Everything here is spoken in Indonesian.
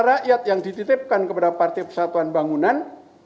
rakyat yang dititipkan kepada partai persatuan bangunan